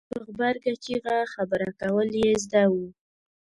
په غبرګه چېغه خبره کول یې زده وو.